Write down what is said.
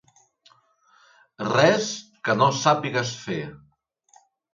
Res que no sàpigues fer.